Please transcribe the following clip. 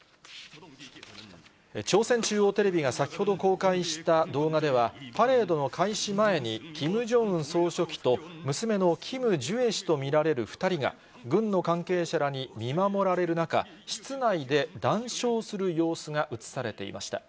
朝鮮中央テレビが先ほど公開した動画では、パレードの開始前に、キム・ジョンウン総書記と娘のキム・ジュエ氏と見られる２人が、軍の関係者らに見守られる中、室内で談笑する様子が映されていました。